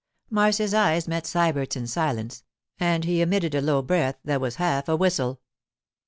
Marcia's eyes met Sybert's in silence, and he emitted a low breath that was half a whistle.